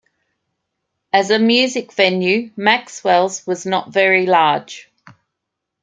As a music venue, Maxwell's was not very large.